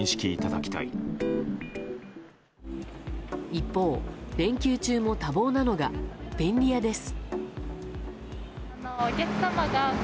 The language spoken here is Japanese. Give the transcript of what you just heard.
一方、連休中も多忙なのが便利屋です。